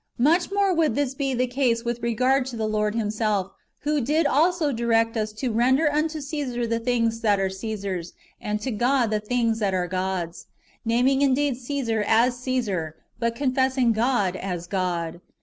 Much more [would this be the case with regard to] the Lord Himself, who did also direct us to " render unto Caesar the things that are Caesar's, and to God the things that are God's ;"^ naming indeed Cassar as Caesar, but confessing God as God.